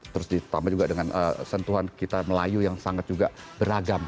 terus ditambah juga dengan sentuhan kita melayu yang sangat juga beragam